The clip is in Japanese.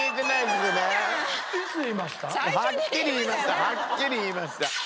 はっきり言いました。